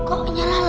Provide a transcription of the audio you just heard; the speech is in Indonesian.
kok menyala lagi